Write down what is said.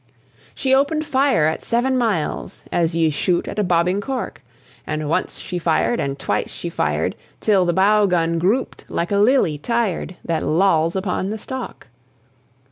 She opened fire at seven miles As ye shoot at a bobbing cork And once she fired and twice she fired, Till the bow gun drooped like a lily tired That lolls upon the stalk.